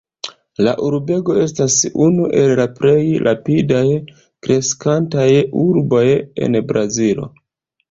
La urbego estas unu el la plej rapidaj kreskantaj urboj en Brazilo.